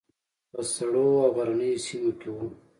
په سړو او غرنیو سیمو کې وو.